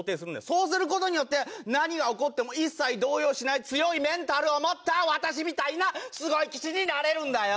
そうする事によって何が起こっても一切動揺しない強いメンタルを持った私みたいなすごい棋士になれるんだよ！